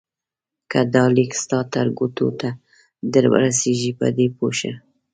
که دا لیک ستا تر ګوتو درورسېږي په دې پوه شه.